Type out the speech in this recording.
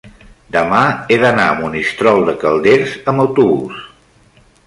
demà he d'anar a Monistrol de Calders amb autobús.